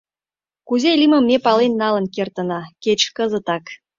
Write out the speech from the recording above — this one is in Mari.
— Кузе лийметым ме пален налын кертына... кеч кызытак.